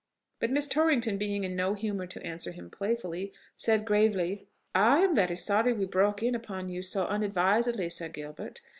But Miss Torrington being in no humour to answer him playfully, said gravely, "I am very sorry we broke in upon you so unadvisedly, Sir Gilbert.